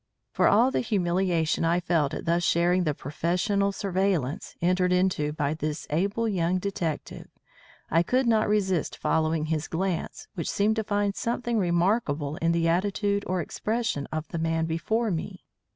For all the humiliation I felt at thus sharing the professional surveillance entered into by this able young detective, I could not resist following his glance, which seemed to find something remarkable in the attitude or expression of the man before me.